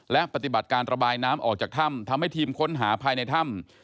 และปฏิบัติการระบายน้ำออกจากถ้ำทำให้ทีมค้นหาภายในถ้ำ